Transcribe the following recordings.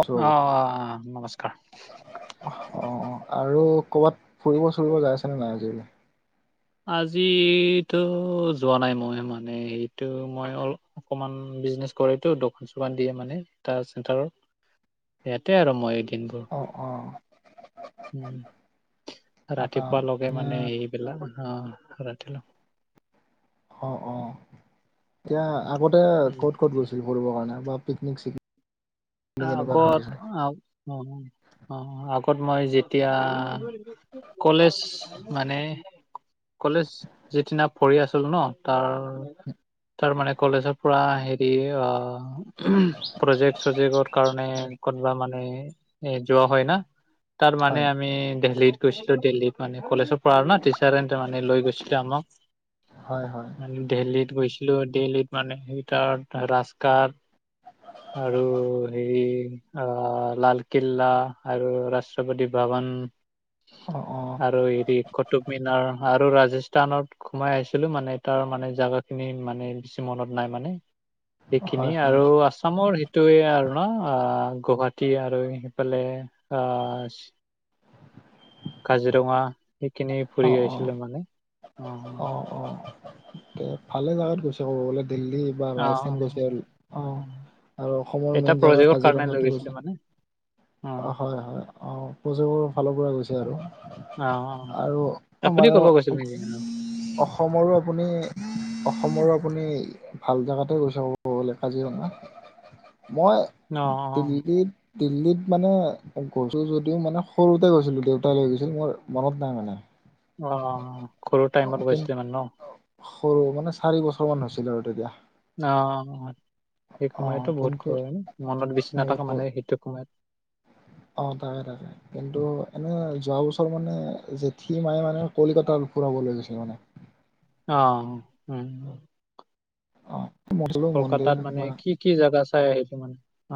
আছো অ ৰ'ব অ অ নমস্কাৰ অ আৰু ক'ৰবাত ফুৰিব চুৰিব যাই আছেনে নাই আজি কালি? আজিটো যোৱা নাই মই মানে সেইটো মই অল অকমান বিজনেচ কৰেটো দোকান চোকান দিয়ে মানে এটা চেণ্টাৰৰ ইয়াতে আৰু মই এই দিনবোৰ অঁ অঁ উম আটা ৰাতিপুৱা লগে মানে এইবিলাক অ ৰাতি অ অ এতিয়া আগতে উম ক'ত ক'ত গৈছিল ফুবৰ কাৰণে বা পিকনিক চিকনিক এনেকুৱা ধৰা আগত গৈছিল? আহ অ অ আগত মই যেতিয়া কলেজ মানে কলেজ যিদিনা পঢ়ি আছিলো ন তাৰ তাৰ মানে কলেজৰ পুৰা হেৰি অ প্ৰজেক্ট চজেক্টৰ কাৰণে কৰবা মান এ যোৱা হয় না তাৰ মানে হয় আমি দেললীত গৈছিলো দিল্লীত মানে কলেজৰ পঢ়া ন টিচাৰ মানে লৈ গৈছিলো আমাক হয় হয় দিল্লীত গৈছিলো দিল্লীৰ মানে সেই তাত ৰাস্তা, আৰু হেৰি আহ লালকিল্লা আৰু ৰাষ্ট্ৰপতি ভৱন। অ অ আৰু হেৰি কটুব মিনাৰ আৰু ৰাজস্থানত, সোমাই আহিছিলো মানে তাৰ মানে জোগা খিনি মানে বেছি মনত নাই মানে। সেইখিনি হয় হয় আৰু আছামৰ সেইটোয়ে আৰু গুৱাহাটী আৰু সেইফালে আহ, কাজিৰঙা সেইখিনি অ ফুৰি অ আহিছিলে মানে অ অ, [unintelligible] তে ভালে জাগাত গৈছে ক'ব গ'লে দিল্লী, বা অ ৰাজস্থান গৈছে আৰু অ আৰু অসমৰ এটা মেইন জোগা প্ৰজেক্টৰ কাৰণে লৈ কাজিৰঙো গৈছিলে গৈছে। মানে অ অঁ হয় হয় অঁ প্ৰজেক্টবোৰ ফালৰ পৰা গৈছে আৰু অ অ আৰু অ আপুনি ক'ব মানুহ গৈছিল নেকি অ অসমৰো আপুনি, অসমৰো আপুনি ভাল জেগাতে গৈছেলে কাজিৰঙা মই, অ [unintelligible] দিল্লীত মানে গৈছো যদিও মানে সৰুতে গৈছিলো দেউতাই লৈ গৈছিল মোৰ মনত নাই মানে। অ সৰু অ টাইমত কিন গৈছিলে মানে ন। সৰু মানে চাৰি বছৰ মান হৈছিলে আৰু তেতিয়া। অ সেই অ সময়তো বহুত কিন্তু সৰু মনত বেছি বহুত নাথাকে ভাল মানে সেইটো সময়ত, অ তাকে তাকে। কিন্তু এনে যোৱা বছৰ মানে জেঠী মায়ে মানে কলিকাত ফুৰাবলৈ গৈছিল মানে। অ উম, অ [unintelligible] মন্দিৰ কলকাতাত মানে বা কি কি জাগা চাই আহিব তো মানে অ,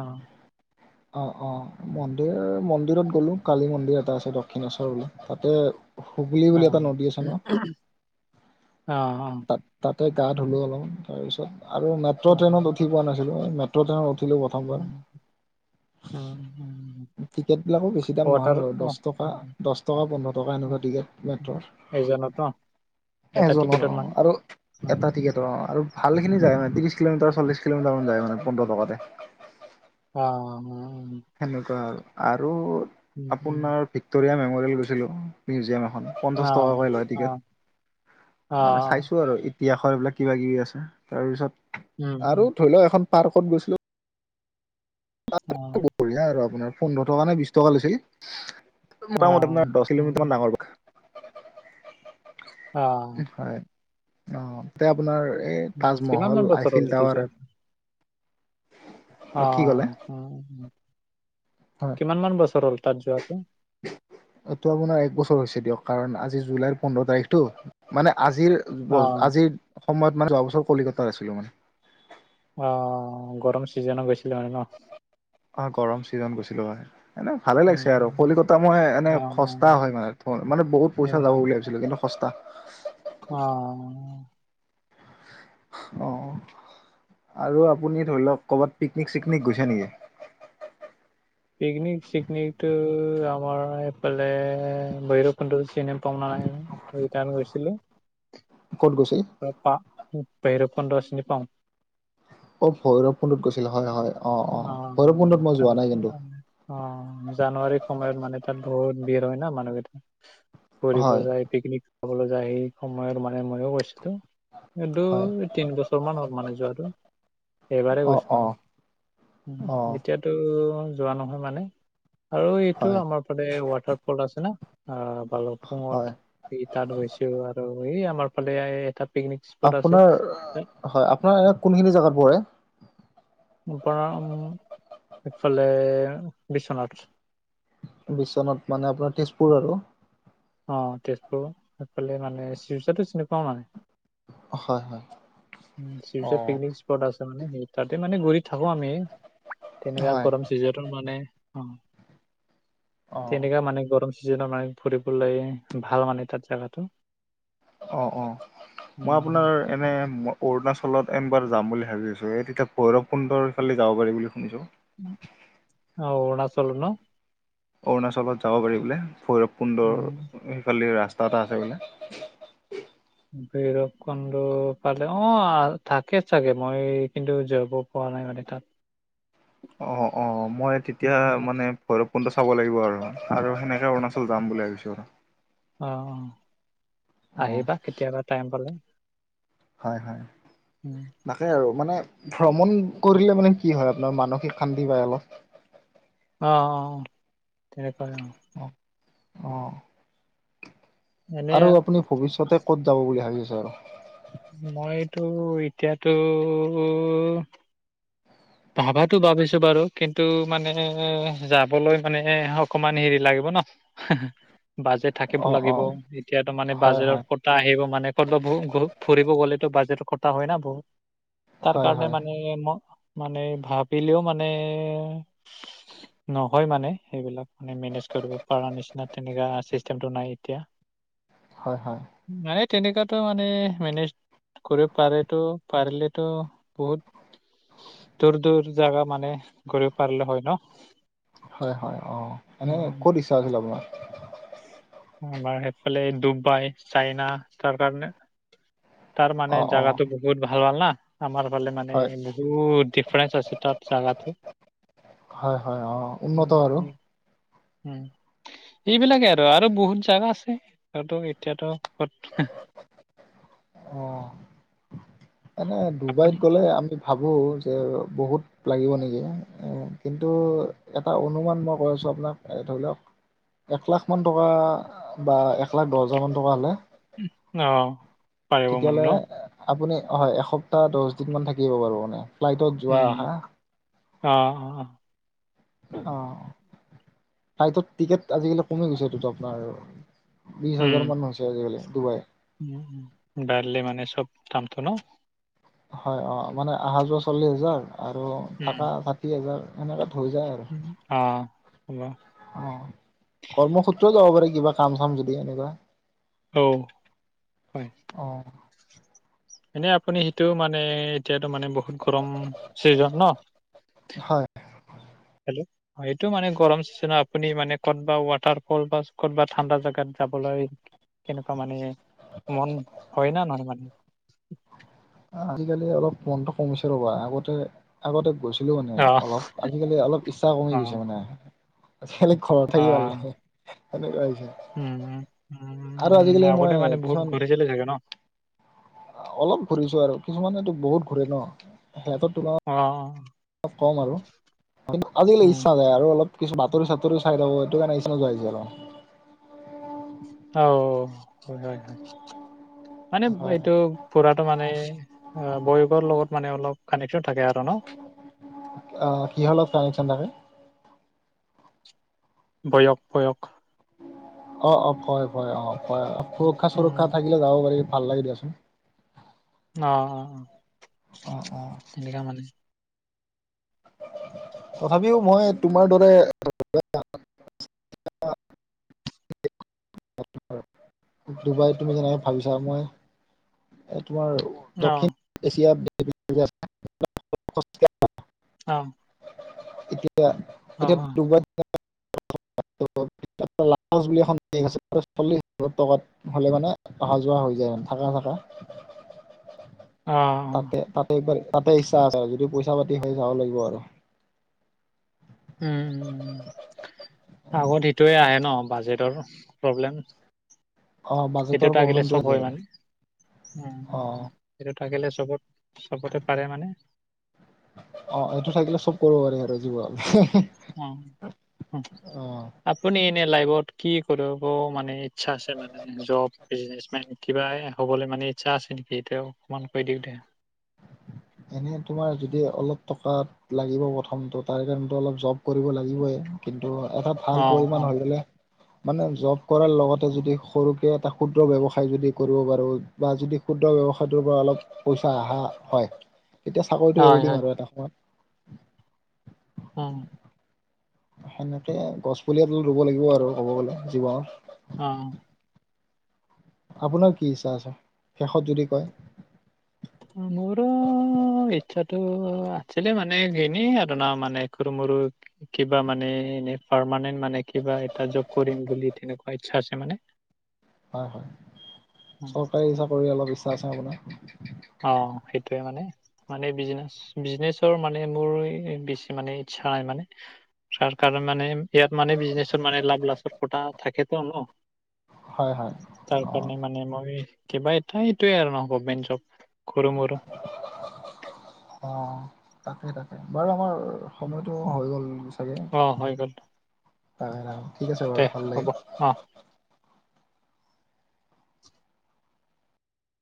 অ অ মন্দিৰ মন্দিৰত গলো কালি মন্দিৰ এটা আছে দক্ষিণেশ্বৰলৈ তাতে। হুগলী অ বুলি এটা নদী আছে ন, অ অ, তাতে গা ধুলো অলপ তাৰিছত আৰু মেট্ৰ' ট্ৰেইনত উঠি পোৱা নাছিলো মেট্ৰ ট্ৰেইনত উ, উথিলো প্ৰথম বাৰ। উম উম, টিকেট বিলাকো বেছি দাম নহয় বাৰু দহ অ টকা দহ টকা পোন্ধৰ টকা এনেকুৱা টিকেট মেট্ৰৰ, একজনত ন এটা এজনৰ টিকেটত অ', মানুহ, আৰু এটা টিকেট, ত ভাল খিনি যায় মানে ত্ৰিশ কিলোমিটাৰ চল্লিশ কিলোমিটাৰ মানায় মানে পোন্ধৰশ টকাতে, অ অ উ উম, সেনেকুৱা আৰু আৰু উম আপোনাৰ ভিক্টৰিয়া মেমৰিয়েল গৈছিলোঁ মিউজিয়াম এখন, অ পঞ্চাশ টকাকৈ লয় অ টিকেট অ মানে চাইছো আৰু তিয়াসৰ এইবিলাক কিবা কিবি আছে তাৰ পিছত উম উম আৰু ধৰি লওক এখন পাৰ্কত গৈছিলো। অ, বঢ়িয়া আৰু আপোনাৰ পোন্ধৰ টকা নে বিশ টকা লৈছিল অ মোটামুট আপোনাৰ দহ উম কিলোমিটাৰ মান ডাঙৰ, অ হয় অঁ তে আপোনাৰ এই উম তাজমহল আইফিল টাৱাৰ, কি ক'লে আহ উম, হয়। কিমান মান বছৰ হ'ল তাত যোৱাটো। এইটো আপোনাৰ এক বছৰ হৈছে দিয়ক কাৰণ আজি জুলাইৰ পোন্ধৰ তাৰিখটো মানে আজিৰ অ আজিৰ সময়ত মানে যোৱা বছৰ কলিকতাত আছিলো মই- অ গৰম চিজনত গৈছিলে মানে ন অ গৰম ছিজন গৈছিলো হয়। এনে ভালে লাগিছে আৰু উম কলিকতা মই এনে অ সস্তা হয় মানে মানে বহুত পইচা যাব বুলি ভাবিছো। কিন্তু সস্তা- অহ! অ আৰু আপুনি ধৰি লওক ক'বাত পিকনিক চিকনিক গৈছে নেকি। পিকনিক চিকনিকতটো আমাৰ এইফালে ভৈৰৱ কুণ্ড চিনে- তোমাৰ ৰিটাৰ্ণ গছিলো ক'ত গৈছিল। পা বেৰ পদ চিনি পাওঁ। অ ভৈৰৱকুণ্ডত গৈছিলে হয় হয় অ ভৈৰৱকুণ্ডত মই যোৱা নাই তালেকে কিন্তু। আও অ জানুৱাৰী সময়ত মানে তাত বহুত ভিৰ হয় ন মানুহকেইটা ফুৰিব হয় যায়। পিকনিক চাবলৈ যায় সেই সময়ত মানে ময়ো গৈছিলোঁ হয় কিন্তু- তিন বছৰ মান হ'ল মানে যোৱাটো এবাৰেই অ গৈছো অ মানে- অ এতিয়াতো যোৱা নহল মানে আৰু এইটো হয় আমাৰ ফালে ৱাটাৰ ফল আছে ন বায়ুপুঙত হয় ই তাত গৈছো আৰু এই আমাৰ ফালে এটাত- আপোনাৰ হয় আপোনাৰ এয়া কোনখিনি জেগাত পৰে। পৰা উম এইফালে বিশ্বনাথ বিশ্বনাথ মানে আপোনাৰ তেজপুৰৰ আৰু অ তেজপুৰ এইফালে মানে চিউজাটো চিনি পাওঁ মানে- হয় হয়। অ। শিৱজা পিকনিকৰ। আছে মানে স তাতে মানে ঘুৰি থাকো আমি তেনেকা হয় গৰম মানে অ তেনেকা মানে গৰম চিজিনত মানে- বলে ভাল মানে তাত জাগাটো অঁ অঁ মই উম আপোনাৰ- এনেই মই অৰুণাচলত এনবাৰ যাম বুলি ভাবি আছোঁ এই তেতিয়া ভৈৰৱকুণ্ডৰ ফালি যাব পাৰি বুলি শুনিছোঁ। অহ অৰুণাচল ন অৰুণাচলত যাব পাৰি বোলে ভৈৰৱকুণ্ডৰ উম সেইফালি ৰাস্তা এটা আছে বোলে। ভৈৰৱকুণ্ডত পালে অ থাকে চাগে মই কিন্তু জ হোৱা নাই মানে তাত- অঁ অঁ মই তেতিয়া উম, মানে ভৈৰৱকুণ্ডত চাব লাগিব আৰু সেনেকে অৰুণাচল যাম বুলি ভাবিছো আৰু- অ অ অ', আহিবা কেতিয়াবা টাইম পালে। হয় হয়। উম, তাকে আৰু মানে ভ্ৰমণ কৰিলে মানে কি হয় আপোনাৰ মানসিক শান্তি পায় অলপ। অঁ অঁ অঁ তেনেকৈয়ে অঁ অহ এনে আৰু আপুনি ভৱিষ্যতে ক'ত যাব বুলি ভাবিছে আৰু। মইতো এতিয়াতো ভবাতো ভাবিছো বাৰু কিন্তু মানে যাবলৈ মানে অকমান হেৰি লাগিব ন। হে বাজেট থাকিব অ', লাগিব অ', এতিয়া তো মানে হয়, বাজেটৰ হয়, ক'ত কথা আহিব মানে, ক'ত বা [unintelligible] ফুৰিব গলেতো বাজেট কথা হয় না বহুত। তাৰ হয়, কাৰণে হয়, মানে ম মানে ভাবিলেও মানে [unintelligible] হয় [unintelligible] নহয় মানে সেইবিলাক মেনেজ কৰিব পৰা নিচিনা তেনেকা চিষ্টেমটো নাই এতিয়া। [inaudible] [inaudible] [inaudible] হয়-হয়। মানে তেনেকুৱাতো মানে মেনেজ কৰিব পাৰেতো পাৰিলেতো বহুত [unintelligible] দূৰ-দূৰ জাগা মানে ঘূৰিব পাৰিলে হয় ন। [unintelligible] হয়-হয়। অ‍ঁ এনেই উম ক'ত ইচ্ছা আছিল আপোনাৰ? আমাৰ সেইফালে ডুবাই, চাইনা তাৰ কাৰণে [unintelligible] তাৰ মানে অ', অ', জাগাটো বহুত ভাল-ভাল না। [unintelligible] আমাৰ ফালে মানে হয়, বহুত ডিফাৰেঞ্চ আছে তাত জাগাতো [unintelligible] হয়-হয়, অঁ উন্নত আৰু। উম, [unintelligible] উম [inaudible] এইবিলাকে আৰু-আৰু বহুত জাগা আছে। [inaudible] এতিয়াতো ক'ত [unintelligible] অঁ এনেই ডুবাইত আপুনি গলে আমি ভাবো যে বহুত লাগিব নেকি? এ কিন্তু এটা অনুমান মই কৈ আছোঁ আপোনাক ধৰি লওক এক লাখ মান টকা বা এক লাখ দহ হাজাৰ মান টকা হ'লে [unintelligible] [unintelligible] অঁ পাৰিব মানে তেতিয়াহ'লে ন? আপুনি [unintelligible] হয় এসপ্তাহ, দহ দিন মান থাকিব বাৰু মানে ফ্লাইটত যোৱা, অহা। অঁ-অঁ-অঁ। অঁ। ফ্লাইটত টিকেট আজিকালি কমি গৈছে এইটোতো আপোনাৰ। বিছ হাজাৰ মান হৈছে আজিকালি ডুবাই [unintelligible] উম-উম। বাঢ়িল মানে চব দামটো ন [unintelligible] হয় অঁ মানে অহা-যোৱা চল্লিশ হাজাৰ আৰু থাকা ষাঠি হাজাৰ সেনেকাত হৈ যায় আৰু। [unintelligible] অঁ হ'ব। [unintelligible] অঁ [inaudible] কৰ্মসূত্ৰেও যাব পাৰে, কিবা কাম-চাম যদি এনেকুৱা [unintelligible] [unintelligible] হয়। অঁ [inaudible] এনেই আপুনি সেইটো মানে [inaudible] এতিয়াতো মানে বহুত গৰম চিজন ন হয় [unintelligible] সেইটো মানে গৰম চিজনত আপুনি মানে ক'ত বা ৱাটাৰ ফল বা ক'ত বা ঠাণ্ডা জেগাত যাবলৈ [unintelligible] কেনেকুৱা মানে মন হয় ন নহয় মানে [unintelligible] আজিকালি অলপ মনটো কমিছে ৰ'বা আগতে [unintelligible] আগতে গৈছিলো মানে অ অলপ, আজিকালি অলপ ইচ্ছা কমি গৈছে অ মানে। [inaudible] আজিকালি ঘৰত অ থাকি ভাল লাগে, সেনেকুৱা হৈছে। উম [unintelligible] [inaudible] আৰু আজিকালি মই কিছুমান [unintelligible] জেলে থাকে ন? অলপ ঘুৰিছো আৰু কিছুমানেটো বহুত ঘূৰে ন সিহঁতৰ তুলনাত [unintelligible] অঁ [inaudible] অলপ কম আৰু। কিন্তু আজিকালি উম ইচ্ছা যায় আৰু অলপ [unintelligible] কিছু বাতৰি-চাতৰি চাই থাকো এইটো কাৰণে ইচ্ছা যায় [unintelligible] আৰু [inaudible] অ! হয়-হয়-হয় [inaudible] মানে হয় এইটো ফুৰাতো মানে এ বয়সৰ লগত মানে অলপ কানেকশ্বন থাকে আৰু ন। [unintelligible] অ! কিহৰ লগত কানেকশ্বন থাকে? বয়স-বয়স [unintelligible] অ অ হয় হয় অ হয় সুৰক্ষা উম, চুৰক্ষা থাকিলে যাব পাৰি ভাল লাগে দিয়াচোন। অ অ অ অ অ এনেকা মানে তথাপিও মই তোমাৰ দৰে ডুবাইত তুমি যেনেকে ভাবিছা মই এই তোমাৰ অ' দক্ষিণ এছিয়াৰ দেশ অ এতিয়া অ' এতিয়া অ' ডুবাই চল্লিশ হাজাৰ টকাত হ'লে মানে অহা যোৱা হৈ যায় থাকা থাকা [inaudible] তাতে তাতেবাৰ তাতে ইচ্ছা আছে আৰু যদি পইচা পাতি হৈ যাব লাগিব আৰু উম উ আগত সেইটোৱে আহে ন বাজেটৰ প্ৰব্লেম অ সেইটো বাজেটৰ থাকিলে প্ৰব্লেমটো চব হৈ হয় যায় আৰু মানে অ সেইটো থাকিলে চবত চবতে পাৰে মানে অ এইটো থাকিলে চব কৰিব পাৰি আৰু জিৱনত। উ আপুনি ইনে লাইফত কি কৰিব মানে ইচ্ছা আছে মানে? জব বিজনেছ মেন কিবা হ'বলৈ মানে ইচ্ছা আছে নেকি এতিয়া অকণমান কৈ দিওঁ দে [inaudible] এনে তোমাৰ যদি অলপ টকা লাগিব প্ৰথমতটো তাৰ কাৰণো অলপ জব কৰিব লাগিবই কিন্তু এটা ভাল অ' অ' পৰিমাণ হৈ গলে - মানে জব কৰাৰ লগতে যদি সৰুকে এটা ক্ষুদ্ৰ ব্যৱসায় যদি কৰিব পাৰোঁ বা যদি ক্ষুদ্ৰ ব্যৱসায়টোৰ পৰা অলপ পইচা অহা হয় তেতিয়া চাকৰিতটো হয় এৰি হয় দিম আৰু এটা সময়ত ওম সেনেকে গছ পুলি ৰুব লাগিব আৰু ক'ব গ'লে জীৱনত অ আপোনাৰ কি ইচ্ছা আছে শেষত যদি কয়? মোৰ অ ইচ্ছাতো আছিলে মানে ইনেই আৰু ন মানে সৰু মৰু। কিবা মানে এনে পাৰমানেণ্ট। মানে কিবা এটা জব কৰিম বুলি তেনেকুৱা ইচ্ছা আছে মানে। হয় হয় চৰকাৰী চাকৰি অলপ ইচ্ছা আছে আপোনাৰ। অ সেইটোয়ে মানে মানে বিজনেছ বিজনেছৰ মানে মোৰ বেছি মানে ইচ্ছা নাই মানে তাৰ কাৰণে মানে ইয়াত মানে বিজনেছৰ মানে লাভ লাছৰ কটা থাকেতো ন হয় হয় তাৰ অ কাৰণে মানে মই কিবা এটাই এইটোয়ে আৰু ন গভমেন্ট জব সৰু মৰু। অ তাকে তাকে বাৰু আমাৰ সময়তটো হৈ গ'ল চাগে অ হৈ গ'ল ঠিক আছে দে বাৰু ভাল হ'ব অ। লাগিল।